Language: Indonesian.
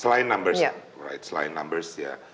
selain numbers rights selain numbers ya